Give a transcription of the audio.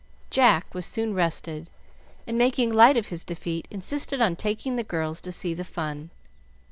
Jack was soon rested, and, making light of his defeat, insisted on taking the girls to see the fun.